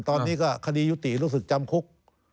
ตอนนี้ก็คดียุติรู้สึกจำคุก